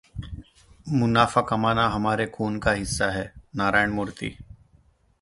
मुनाफा कमाना हमारे खून का हिस्सा है: नारायण मूर्ति